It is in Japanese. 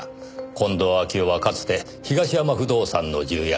近藤秋夫はかつて東山不動産の重役。